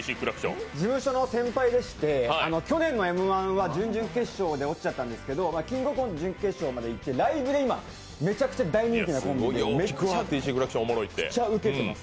事務所の先輩でして去年の「Ｍ−１」は準々決勝で落ちちゃったんですけど「キングオブコント」準決勝までいって、ライブで今、めちゃくちゃ大人気でめっちゃウケてます。